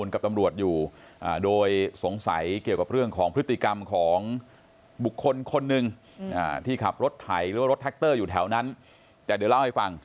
คนหนึ่งอืมอ่าที่ขับรถไทยหรือว่ารถอยู่แถวนั้นแต่เดี๋ยวเล่าให้ฟัง